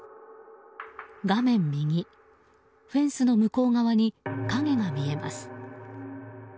画面右、フェンスの向こう側に影が見えます。